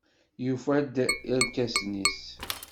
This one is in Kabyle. Yufa-d irkasen-nnes.